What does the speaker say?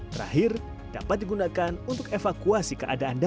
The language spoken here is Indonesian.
terakhir dapat digunakan untuk mengurangi waktu penggerakan kereta